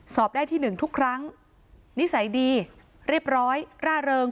สอบได้ที่หนึ่งทุกครั้งนิสัยดีเรียบร้อยร่าเริง